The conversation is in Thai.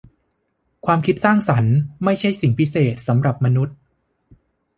ความคิดสร้างสรรค์ไม่ใช่สิ่งที่พิเศษสำหรับมนุษย์